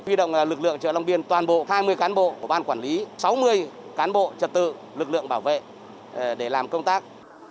huy động lực lượng chợ long biên toàn bộ hai mươi cán bộ của ban quản lý sáu mươi cán bộ trật tự lực lượng bảo vệ để làm công tác